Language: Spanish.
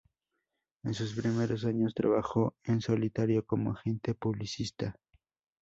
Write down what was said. En sus primeros años trabajó en solitario como agente publicista.